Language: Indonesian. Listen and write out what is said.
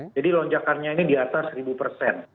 jadi lonjakannya ini di atas seribu persen